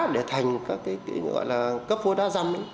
để thành các cái gọi là cấp vôi đá răm